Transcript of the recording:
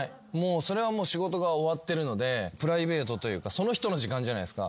それは仕事が終わってるのでプライベートというかその人の時間じゃないですか。